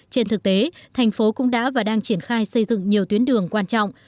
trên thực tế thành phố cũng đã và đang triển khai xây dựng nhiều tuyến đường quan trọng